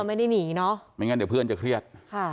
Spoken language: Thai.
ไม่ได้หนีเนอะไม่งั้นเดี๋ยวเพื่อนจะเครียดค่ะ